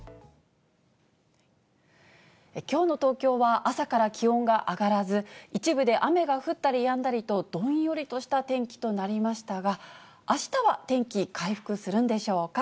きょうの東京は朝から気温が上がらず、一部で雨が降ったりやんだりと、どんよりとした天気となりましたが、あしたは天気回復するんでしょうか。